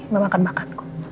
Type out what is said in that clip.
mama akan makan kok